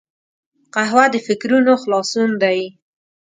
قهوه د فکرونو خلاصون دی